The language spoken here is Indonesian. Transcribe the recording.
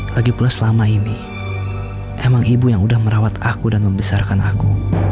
lagi pula selama ini emang ibu yang udah merawat aku dan membesarkan aku